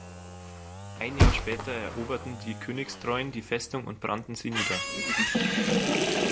Ein Jahr später eroberten die Königstreuen die Festung und brannten sie nieder.